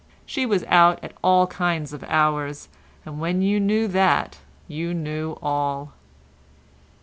She was out at all kinds of hours, and when you knew that you knew all.